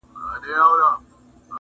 پر هوښار طوطي بې حده په غوسه سو.!